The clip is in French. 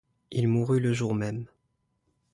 Il mourut le jour même.